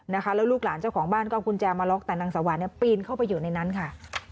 แล้วลูกหลานเจ้าของบ้านก็เอากุญแจมาล็อกแต่นางสวรรค์ปีนเข้าไปอยู่ในนั้นค่ะ